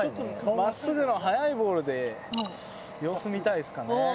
真っすぐの速いボールで様子見たいですかね。